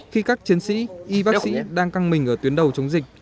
khi các chiến sĩ y bác sĩ đang căng mình ở tuyến đầu chống dịch